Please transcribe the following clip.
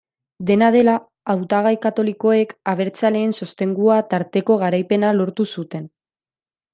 Dena dela, hautagai katolikoek, abertzaleen sostengua tarteko, garaipena lortu zuten.